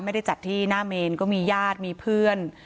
ไม่ได้จัดที่หน้าเมนก็มีญาติมีเพื่อน